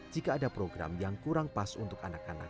jika ada program yang kurang pas untuk anak anak